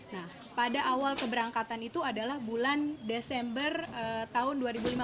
nah pada awal keberangkatan itu adalah bulan desember tahun dua ribu lima belas